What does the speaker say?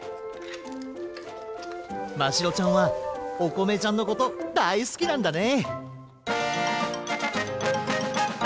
ましろちゃんはおこめちゃんのことだいすきなんだね！